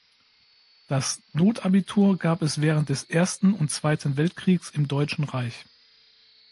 Das Notabitur gab es während des Ersten und Zweiten Weltkriegs im Deutschen Reich.